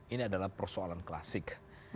ini adalah persoalan klasik